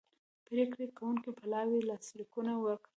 پریکړې کوونکي پلاوي لاسلیکونه وکړل